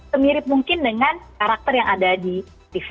semirip mungkin dengan karakter yang ada di tv